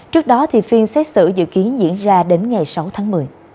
trước đó phiên xét xử dự kiến diễn ra đến ngày sáu tháng một mươi